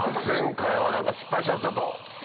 前回は何か失敗しちゃったと。